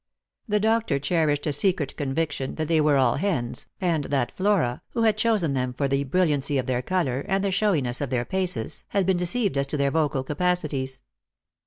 The doctor cherished a secret conviction that they were all hens, and that Flora, who had chosen them for the brilliancy of their colour, and the showiness of their paces, had been deceived as to their vocal capacities.